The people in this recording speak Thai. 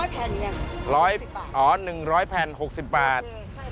๑๐๐แผ่นหนึ่งบาท๖๐บาท